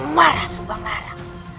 aku marah subang lara